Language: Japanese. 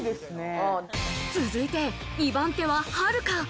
続いて２番手ははるか。